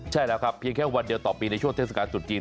ใช่แล้วครับเพียงแค่วันเดียวต่อปีในช่วงเทศกาลตรุษจีน